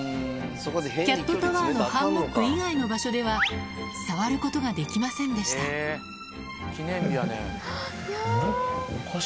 キャットタワーのハンモック以外の場所では触ることができませんでした記念日やね。